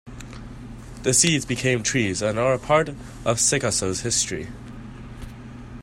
The seeds became trees and are a part of Sikasso's history.